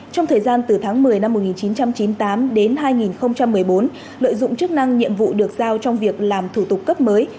trong thời gian từ tháng một mươi năm một nghìn chín trăm chín mươi tám đến hai nghìn một mươi bốn lợi dụng chức năng nhiệm vụ được giao trong việc làm thủ tục cấp mới